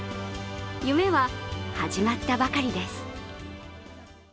夢は始まったばかりです。